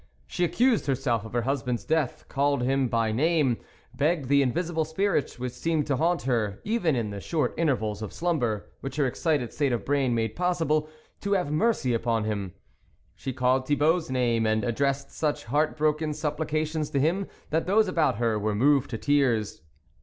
She accused herself of her husband's death, called him by name, begged the invisible spirits, which seemed to haunt her, even in the short intervals of slumber which her excited state of brain made possible, to have mercy upon him. She called Thi bault's name, and addressed such heart broken supplications to him that those about her were moved to tears.